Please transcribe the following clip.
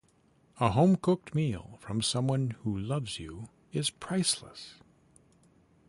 A home cooked meal from someone who loves you is priceless.